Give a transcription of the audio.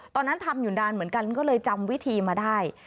ตอนนั้นทำอยู่นานเหมือนกันก็เลยจำวิธีมาได้